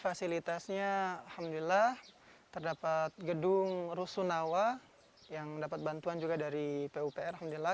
fasilitasnya alhamdulillah terdapat gedung rusunawa yang mendapat bantuan juga dari pupr alhamdulillah